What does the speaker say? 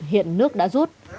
hiện nước đã rút